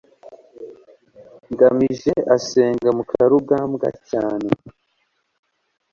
ngamije asenga mukarugambwa cyane